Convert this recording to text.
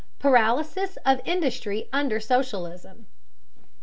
PARALYSIS OF INDUSTRY UNDER SOCIALISM.